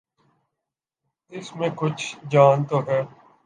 اس میں کچھ جان تو ہے۔